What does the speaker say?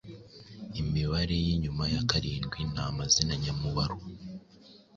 Imibare y’inyuma ya karindwi ni amazina nyamubaro.